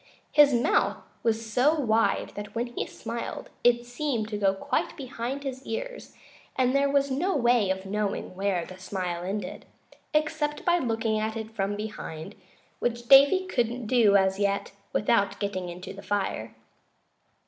His mouth was so wide that when he smiled it seemed to go quite behind his ears, and there was no way of knowing where the smile ended, except by looking at it from behind, which Davy couldn't do, as yet, without getting into the fire.